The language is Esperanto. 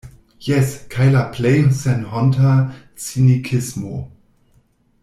Jes, kaj la plej senhonta cinikismo.